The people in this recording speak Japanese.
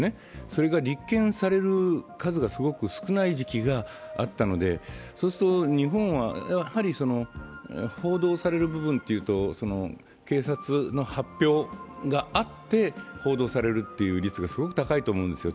それが立件される数がすごく少ない時期があったのでそうすると日本は、報道される部分というと、警察の発表があって報道されるという率がすごく高いと思うんですよ。